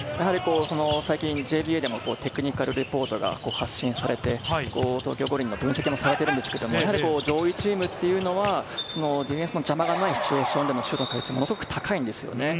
最近ＪＢＡでもテクニカルレポートが発信されて、東京五輪の分析もされているんですけど、上位チームというのはディフェンスの邪魔がないシチュエーションでもシュート率が高いんですよね。